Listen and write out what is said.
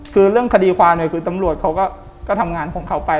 คือเรื่องคดีความเนี่ยคือตำรวจเขาก็ทำงานของเขาไป